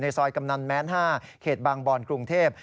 ในซอยกำนันแมนท์๕เขตบางบอลกรุงเทพฯ